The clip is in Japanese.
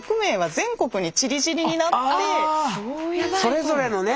それぞれのね